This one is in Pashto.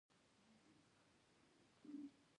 ښارونه د جغرافیایي موقیعت یوه مهمه پایله ده.